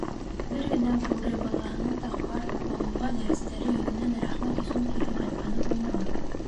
Бер генә бүре балаһының да ҡарт Балуға дәрестәре йөҙөнән рәхмәт өсөн кире ҡайтҡаны булманы.